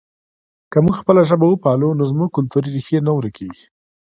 که موږ خپله ژبه وپالو نو زموږ کلتوري ریښې نه ورکېږي.